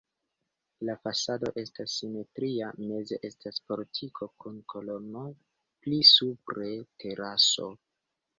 La fasado estas simetria, meze estas portiko kun kolonoj, pli supre teraso.